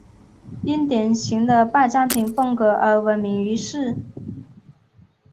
因典型的拜占庭风格而闻名于世。